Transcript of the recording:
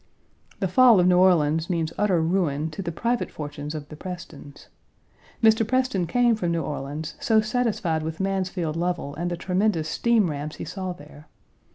This fall of New Orleans means utter ruin to the private fortunes of the Prestons. Mr. Preston came from New Orleans so satisfied with Mansfield Lovell and the tremendous steam rams he saw there.